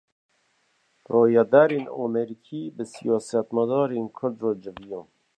Rayedarên Emerîkî, bi siyasemedarên Kurd re civiyan